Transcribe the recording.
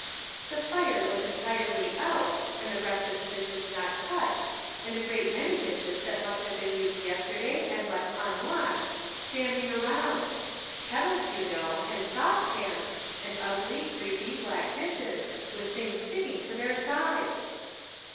" The fire was entirely out, and the breakfast dishes not touched, and a great many dishes that must have been used yester day and left unwashed standing around ; ket tles, you know, and saucepans, and ugly, greasy black dishes, with things sticking to their sides